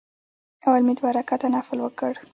اول مې دوه رکعته نفل وکړ.